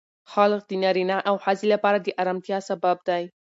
خلع د نارینه او ښځې لپاره د آرامتیا سبب دی.